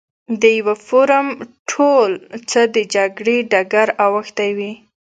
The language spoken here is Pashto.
د یوه فورم ټول څه د جګړې ډګر اوښتی وي.